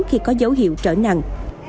khi có dấu hiệu trở nặng